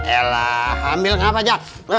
elah hamil kenapa aja